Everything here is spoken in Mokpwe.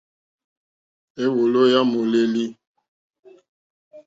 Éwòló yá mòlêlì.